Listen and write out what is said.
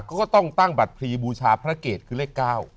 เขาก็ต้องตั้งบัตรพลีบูชาพระเกตคือเลข๙